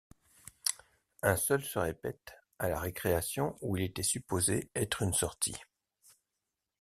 Un seul se répète, à la récréation où il était supposé être une sortie.